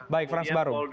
baik frances baru